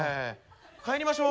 帰りましょう。